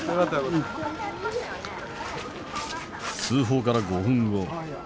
通報から５分後。